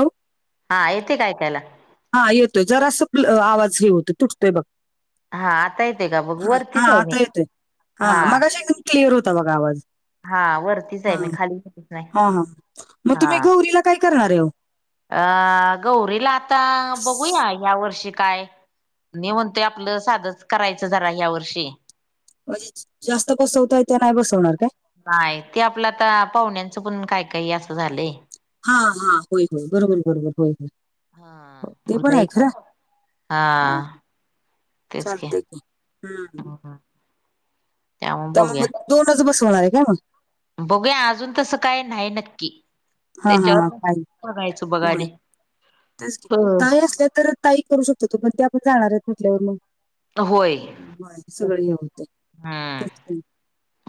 Hello? हा येते काय ऐकायला. हा येतोय जरास आवाज हे होतो तुटतोय बघ. हा आता येते का बघ हा हा वरतीच आहे मी आता येतोय हा मगाशी एकदम क्लिअर होता बघा आवाज. हा वरतीच हा, आहे मी खाली कुठेच नाही हा हा, मग तुम्ही हा गौरीला काय करणार आहे ओ. अ गौरीला आता बघूया या वर्षी काय? मी म्हणतोय आपलं साधच करायचं जरा ह्या वर्षी. म्हणजे जास्त बसवताय ते नाही बसवणार काय? नाही ते आपलं आता पाहुण्यांचं पण काय काही असं झालंय. हा हा होय होय बरोबर बरोबर होय. हा हो ते पण आहे लई काय खरं हा. चालतय की हम्म. त्यामुळे त्या मग म बघूया दोनच बसवनार आहे का मग? बघूया अजून तसं काय नाही नक्की. हा हा हा त्याच्यावर पाहिन बघायचं बघा आधी पुढे तेच हो की [unintelligible] तर ताई करू शकत्यात तो पण त्या आपण जाणार आहेत म्हटल्यावर मग. होय बर सगळ हे होतय तेच की.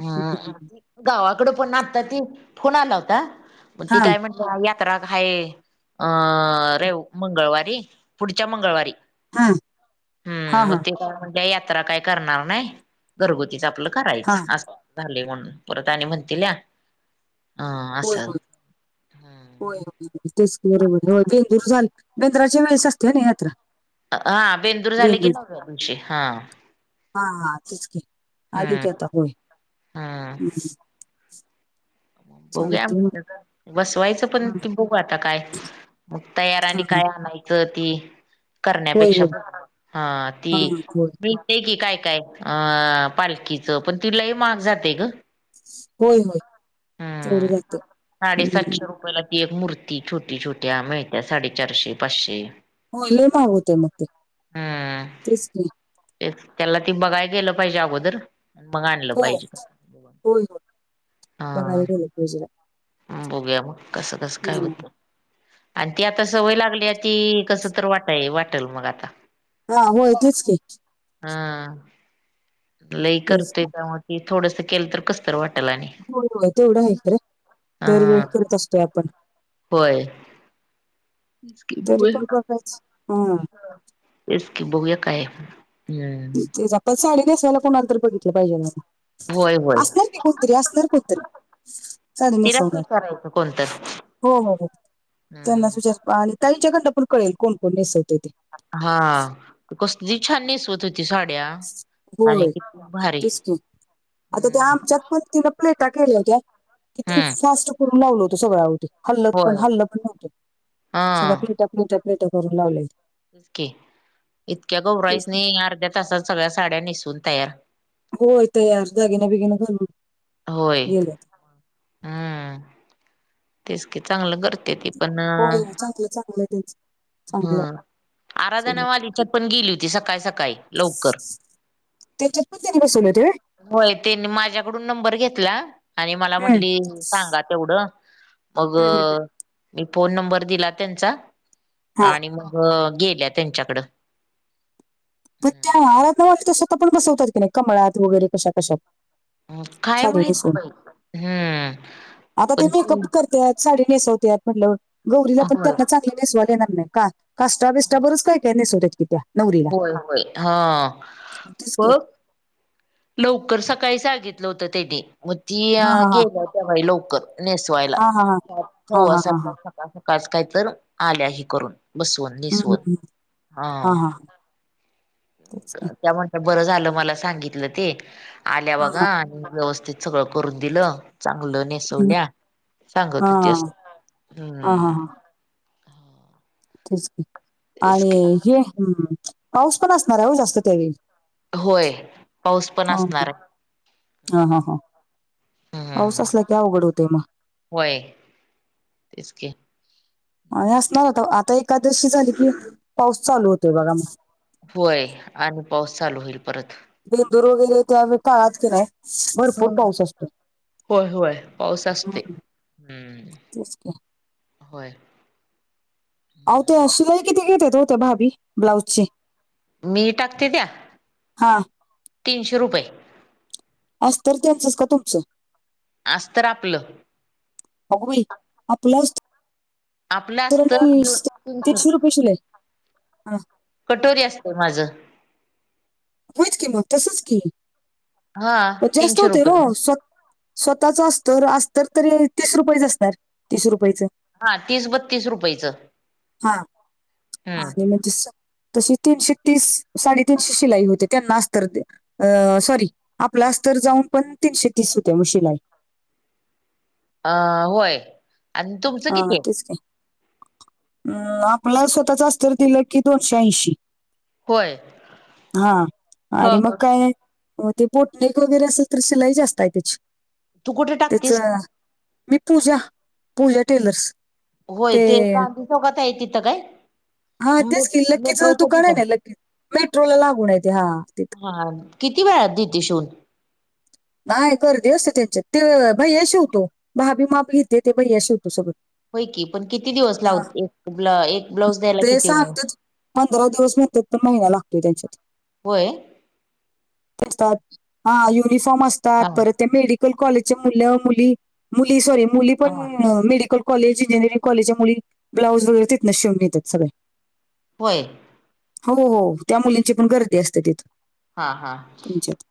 हा हम्म. गावाकड पण आता ती फोन आला होता मग ती हा काय म्हण यात्रात हाय अं रेव मंगळवारी पुढच्या मंगळवारी. हा हा हम्म मग हा ते का म्हणजे यात्रा काय करणार नाही घरगुतीच आपलं हा करायच अस झाले म्हणून परत आणि म्हणतील्या, अ हो असं हो तेच बरोबर होय बेंदूर झा बेंद्राच्या वेळेस असते हनी यात्रा. हा बेंदूर झाले की मग आमची हा. हा हा तेच की आली की हम्म आता होळी हम्म. मग बघुया चालते मग बसवायचं पण हम्म, त बघू आता काय मग तयार हा आणि हा काय आणायचं ती, होय करण्यापेक्षा होय बर हा हा ती होय बी क ते की काय काय अ पालखीचं पण ति लई महाग जातय ग. होय होय तेवड हम्म जा साडेसातशे रुपयाला ती एक मूर्ती छोटी छोट्या मिळत्या साडेचारशे पाचशे. होय लय महाग होतय मग ते तेच की. ते त्याला ती बघायला गेलं पाहिजे अगोदर. मग आणलं हो पाहिजे होय होय बघायला हा गेले पाहिजेला. बघूया मग कसं कसं काय होत आणि ती आता सवय लागली यात ती कस तर वाट वाटेल मग आता. हा होय तेच की, हा. लई तेच करतोय की त्यामुळे ते थोडस केलं तर कसतर वाटल आणि हो हो तेवढं आहे खरे दरवेळ हा करत असतय आपण तेच की तरी बघुया पण बघायचं हा सोडा तेच की बघूया काय. हम्म तेच आपल साडी नेसवायला कोणाला तर बघितलं पाहिजे मग होय होय असणार की कोण तरी असणार कोन तरी. साडी तिलाच नेसवणार विचारायचं कोणतर हो हो हो त्यांना हम्म विचार आणि ताईच्याकंडन पण कळेल कोण कोण नसवते ते. हा कसली छान नेसवत होत ती साड्या आणि होय किती भारी तेच की आता त्या हम्म. आमच्यात पण तिन प्लेटा केल्या होत्या किती हम्म फास्ट करून लावला होता आओ ते. हल्लत पण होय हल्लं पण नव्हतं सगळ्या हा प्लेट प्लेट प्लेट करून लावले तेच की इतक्या तेच की. गौराईसनी अर्ध्या तासात सगळ्या साड्या नेसऊन तयार. होये तयार दागिन बेगिन घालून. होय. गेल्या हम्म तेच की चांगलं करत्या ती पण होय अं होय, चांगलं चांगलं हाय त्यांचं. चांगलं ह आहे सगळं आराधनावालीच्यात पण गेली होती सकाळी सकाळी लवकर. त्याच्यातपण त्यांनं बसले होते होय? होय त्यांनी माझ्याकडून नंबर घेतला आणि मला हम्म, म्हटली सांगा तेवढं. मग हम्म, हम्म. हम्म. मी फोन नंबर दिला त्यांचा हा आणि मग गेल्या त्यांच्याकडं. पण त्या आहार न त्या स्वतः पण बसवतात की नाही कमळात वगैरे कशा कशात अं काय साडी माहित नेसवून बाई हम्म आता ते पण ती मेकअप करतात साडी नेसवतेत म्हटलं गौरीला पण होय त्यांना चांगली नेसवायला येणार नाही. का काष्टटा बिस्टा बरच काय काय नेसवतात कि त्या्. होय होय हा. ह तेच की. बघ लवकर सकाळी सांगितलं होतं तेनी. मग ती हा हा अं गेलं होत्या बाई लवकर नेसवायला हा हा हा हा हा हा हा सवासातला हा आज काय तर आल्या हे करून बसवून. हम्म निसवून. हम् ह हा हा तेच ना. त्या म्हणता बरं झालं मला सांगितलं ते आल्या हा बघा हा आणि व्यवस्थित सगळ करून दिलं चांगलं ने हम्म. नेसवल्या हा सांगत होती अस हा हा हूँ. हा तेच की तेच आणि की हे हम् पाऊस पण असणार आहे हो जास्त त्यावेळी होय पाऊस पण हम्म. असणार हाय. हा हा हा पावसा असला हम्म की उघड होते मग होय तेचकी. असणार आता आता एखादशी झाली की पाऊस चालू होतोय बघा मग. होय आणि पाऊस चालू होईल परत. बेंदूर वगैरे ते आम्ही काळात की नाहीय.. भरपूर पाऊस असतो होय होय पाऊस असते. ह. हम्म. तेचकी. होय. हो त्या शिलाई किती घेत्यात हो त्या भाभी ब्लाउज ची? मी टाकते त्या हा तीनशे रुपये. अस्तर त्यांचच का तुमचं? आस्तर आपलं. अगंबाई आपलं असतं आपलं तरी बी नई अस्तर तीनशे रुपये शिलाई कटोरी असत माझं. होयत कि मग तसच की हा पनं जास्त तीनशे होते हो रुपये स् स्वतःच अस्तर अस्तर तरी तीस रुपयाच असणार तीस रुपयाचं. हा तीस बत्तीस रुपयच. हा आणि म्हणजे तशी तीनशे तीस साडेतीनशे शिलाई होते. त्यांना अस्तर दे अं सॉरी आपला अस्तर जाऊन पण तीनशे तीस होते ओ शिलाई. अ होय आण हा तेच की. अं आपला स्वतःचं अस्तर दिलं की दोनशे ऐंशी. होय हा ह आणि मग ह काय? हो ते बोटनिक वगैरे असल तर शिलाई जास्त हाय त्याची. तू कुठे त्याच टाकतीस मी पूजा. पूजा टेलर्स. होय ते गांधी चौकात हाय तिथं काय? हा तेच की लक्कीचं मेट्रोच्या दुकान हाय तिथं ना लक्की मेट्रोला लागून आय ते हा तिथ. हा. किती वेळात दिति शिवुन? नाय गर्दी असती त्यांच्यात ते भैया शिवतो भाभी माप घेतीया ते भैया शीवतो सगळत. होय की पण किती दिवस लावतो एक ब्लाऊज द्यायला ते किती? सांगतात पंधरा दिवस म्हणत्यात पण महिना लागतोय त्यांच्यात. होय? हा युनिफॉर्म असतात. हा परत त्या मेडिकल कॉलेजच्या मुल मुली मुली सॉरी मुली पण हा मेडीकल कॉलेज इंजिअरिंग कॉलेजच्या मुली ब्लाउज तिथनच शिवून न्हेत्यात सगळे. होय. हो हो त्या मुलींची पण गर्दी असते तिथं. हा हा. तुमच्यात,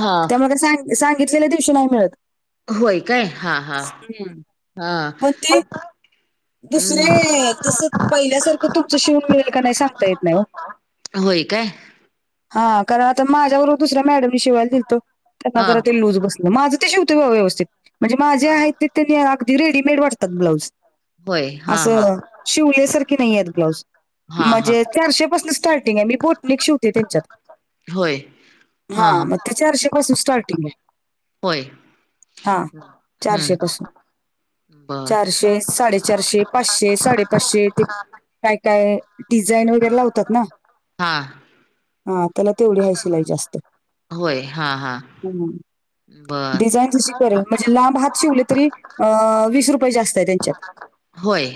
हा त्यामुळं काय सांग- सांगितलेल्या दिवशी नाय मिळत. होय काय हा हा हम्म. हा. हम्म दुसरी तसं पहिल्यासारखं तुमचं शिवून मिळेल का नाय सांगता येत नाय ओ. होय काय? हा कारण आता माझ्या बरोबर दुसऱ्या मॅडमनी शिवायला दिलत. त्यांना हा जरा ते लूज बसल. माझं ते शीवतो व्यवस्थित म्हणजे माझे आहेत ते त्यांनी अगदी रेडीमेड वाटतात ब्लाउज. होय हा हा असं शिवल्यासारखी नाहीयात ब्लाऊज. हा हा म्हणजे चारशे पासून स्टार्टिंग आय मी बोटनेक शिवते त्यांच्यात. होय. हा म ते चारशेपासून स्टार्टिंग आय. होय हम्म चारशे पासून हम्. चारशे, साडेचारशे, पाचशे, साडेपाचशे ते काय काय डिझाईन वगैरे लावतात ना. हा. हा त्याला तेवढी हाय शिलाई जास्त. होय हा. हा हम्म. बर डिझाईन जशी करेल म्हणजे लांब हात शिवले तरी अ वीस रुपये जास्त आय त्यांच्यात. होय.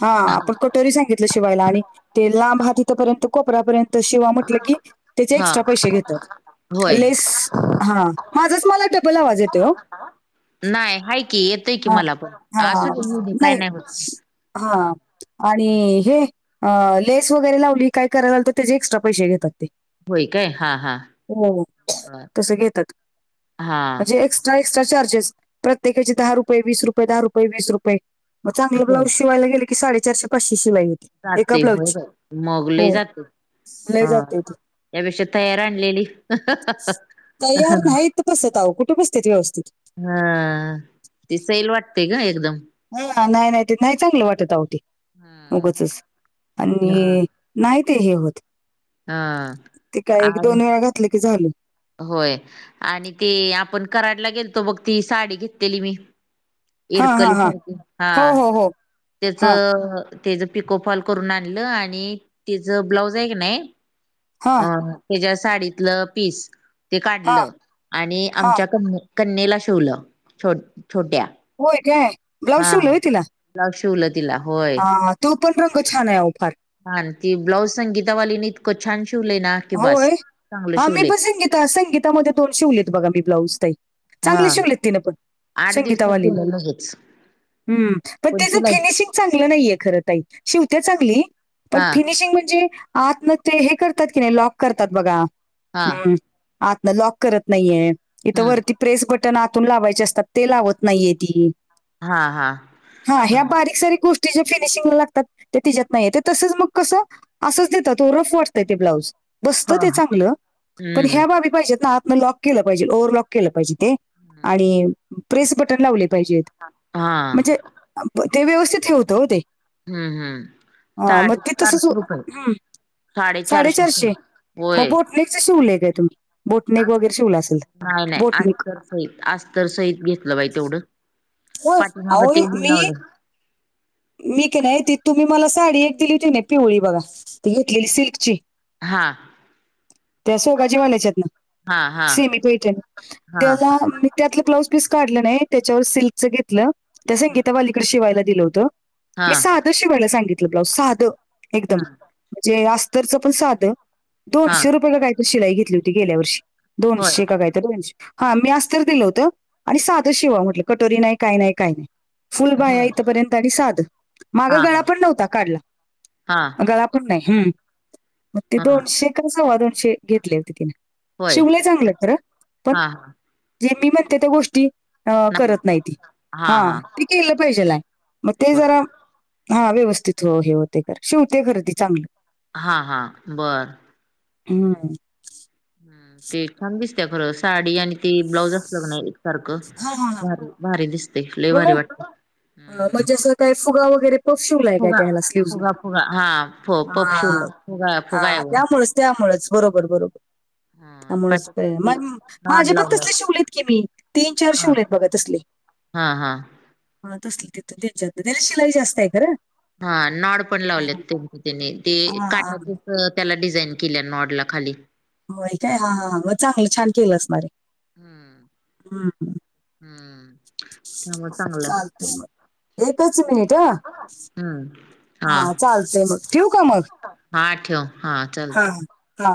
हा आपण कटोरी सांगितलं शिवायला आणि ते लांब हात हितपर्यंत कोपऱ्यापर्यंत शिवा म्हटलं की त्याच हा एक्स्ट्रा पै शे घेतात होय लेस हा. माझाच मला डबल आवाज येतोय ओ. नाय हाय की एतुय की हा मला पण हा असूदे इउदे काय नाही व्हत. हा. आणि हे लेस वगैरे लावली काय करायलाल तर त्याचे एक्स्ट्रा पैशे घेतात ते. व्हय काय हा हा. हो बर. तस घेतात हा म्हणजे ए क्स्ट्रा चार्जेस प्रत्यकाचे दहा रुपये, वीस रुपये, दहा रुये, वीस रुपये मंग चांगले ब्लाउज होय शिवांयला गेले की साडेचारशे पांचशे शिवाई होती. एका जाते. ब्लाऊजची होयं हो मंगलही जातं लय हां... जाते ते यांपेक्षा तयांर आणलेली तयार नाहीतं बसतं आहे कुंठे बसते व्यवस्थित हां ती सैल वाटते कां एकदंम. हां नाहीं नाहीं ते नाहीं चांगलं वाटतं आहेती हा उगचंच आणि. नाहीं ते हे होतं हा ते कायं एक दोन वेळां घातलं की झालं. होयं आणि ते आपणं करांडला गेलतो बघं ती सांडी घेतलेली मी. हा हा इरकली हा सांरखी हा हो हो हो हा त्यांचं. त्यांचं पिको फॉल करूंन आणलं आणि तिचं ब्लाउज आहे की नाहीं. हा अं त्यांच्या सांडीतलं पीस ते हा काढलं आणि हा आमच्या कनी. कन्येला शिवलं छो छोट्यां. होयं कायं. हां ब्लाऊज शिवलं तिलां होयं. हां तो पणं रंग छान आहे हो फांर. हां ती ब्लाऊज संगीतावानलीने इतकं छान शिवले नां. होयं हां मी पणं संगीता संगीतामध्यें दोन शिवली बघां मी ब्लांऊज तही. हा चांगले शिवलेत तिनं पणं आठ दिवसात संगीतावांलीनी. दिलं लगेच हम्मं पणं पण त्यांचं शिलाई फिनिशिंग चांगलं नाहींये खरं. शिवतांत चांगली पणं हा फिनिशिंग म्हणजे आंत नं हे करतांत. लॉक करतांत बघां हा हम्मं आंत नं लॉक करतं नाहींये इथे हम्म वरती. प्रेस बटंन आतूंन लावांयचे असतांत ते लावतं नाहींये ती. हा हा हां ह्या हा बारीक सारीक गोष्टीं. ते जे फिनिशिंगला लागतांत ते तिच्यांत नाहींयेत ते तसंच मंग कसं असंच देतांत तो रफं वाटतं ते ब्लांउज. बसतं हा ते चांगलं पणं हम्म ह्यां बाबी पाहिजेत नां आंतन लॉक केलं पाहिजे ओवर्ह लॉक केलं पाहिजे ते. आणि प्रेस बटंन लावले पाहिजेत. हां. म्हणजे ते व्यवस्थित हे होतं ते. हम्मं हम्मं हा, मग सांडे ते तसंच चारशे रुपये. हं, साडे चारशे होयं. कशं शिवलेख आहे तुमं बोटनेक वगैरें शिवलां असेल बोटनेक. होयं अस्तंर सहित घेतलं बाहि तेवढं. हो पाठीमाग आंहो ते हे मी. लावलं मी कां नाहीं ती तुम्हीं मलां सांडी एक दिली होती नाहीं पिवळी बघां. घेतलेली सिल्कची. हां. त्यां सोगांजी म्हणांयच्यांत नां हा हा सीमी पेंट हा त्यांला. त्यांतलं ब्लांऊज पीस काढलं नाहीं त्यांच्यावर सिल्कचं घेतलं त्या संगीता वालीकडे शिवायलां दिलं होतं. हा मी साधं शिवांयला सांगितलं ब्लांऊज साधं एकदंम. ह म्हणजे अस्तरचं पणं साधं हा दोनशे रुपये कां कायंच शिलाई घेतली होती गेल्यां वर्षी. होय दोनशे कां कायं तरं दोनशे हां मी अस्तंर दिलं होतं आणि साधं शिवां म्हटलं की. दोरी नाहीं कांहीं नाहीं कांहीं नाहीं. फुलं बांया होय इथपर्यंत आणि साधं हा मागं गळां हा पणं नव्हतां काढलां. हा गळां पणं नाहीं हम्मं. ते हा दोनशे कसां सवां दोनशे घेतले होते तिने होय शिवलेय चांगलं तरं पणं. हा हा जे मी म्हणते त्या गोष्टी आ करत. नाही ती हा ते केल पाहिजेला, मग ते बर जरा हा व्यवस्थित हो हे होते. शिवते खर ती चांगली. हा. हा. बर. हम्म. हम् ते छान दिसते खर. साडी आणि ते ब्लाऊज असल का नाही. सारख हा हा हा भारी भारी दिसते लय हो ना? भारी वाटते. म्हणजे अस काय फुगा वगैरे. ब्लॉऊस शिव लाय काय फुगा त्यान स्लीव ला. फुगा फुगा हा फ पपशोल फुगा फुगा आहे ह वर त्यामुळे त्यामुळेच बरोबर बरोबर हा त्यामुळेच. पाठी नॉड माझे पण लावलं तसले शिवलेत की मी तीन चार हा शिवलेत बघा तसली. हा- हा हा तस तिथून त्यांच्या त्याला शिलाई जास्त आहे खंर. हा नॉड पण लावलेत त्यांनी त्यांच्या त्यानी ते हा, हा. काटातून ह त्याला डिझाईन केल्या नॉडला खाली. होय काय हा हा मग चांगल छान केली आसनार. हम्म हम हम्. हम्म त्यामुळे चांगल. एकच मिनट ह. हम्म हा मग ठेवू का मग -हा ठेव हा. हा चालते -हा